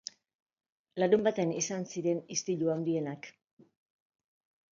Larunbatean izan ziren istilu handienak.